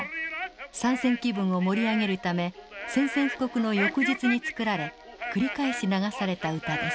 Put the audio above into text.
参戦気分を盛り上げるため宣戦布告の翌日に作られ繰り返し流された歌です。